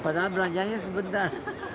padahal belanjanya sebentar